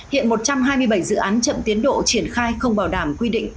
hiện một trăm hai mươi bảy dự án chậm tiến độ triển khai không bảo đảm quy định